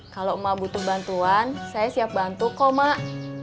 kalau emak butuh bantuan saya siap bantu kau emak